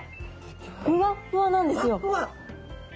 ふわっふわなんですよ。